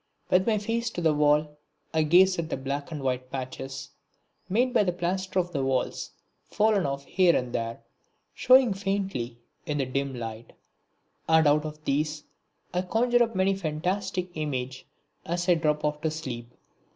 With my face to the wall I gaze at the black and white patches, made by the plaster of the walls fallen off here and there, showing faintly in the dim light; and out of these I conjure up many a fantastic image as I drop off to sleep.